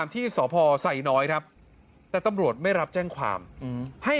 ที่สพไซน้อยครับแต่ตำรวจไม่รับแจ้งความให้